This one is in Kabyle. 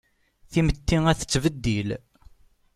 Timetti a tettbeddil